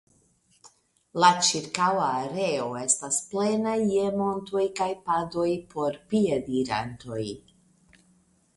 La ĉirkaŭa areo estas plena je montoj kaj padoj por piedirantoj.